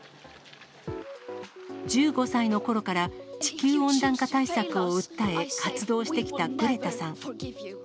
１５歳のころから、地球温暖化対策を訴え、活動してきたグレタさん。